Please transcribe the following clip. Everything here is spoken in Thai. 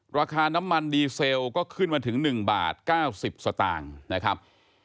ราคาน้ำมันดีเซลก็ขึ้นมาถึง๑บาท๙๐สตางค์นะครับ